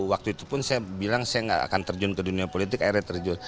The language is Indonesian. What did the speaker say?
waktu itu pun saya bilang saya nggak akan terjun ke dunia politik akhirnya terjun